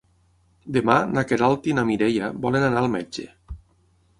Demà na Queralt i na Mireia volen anar al metge.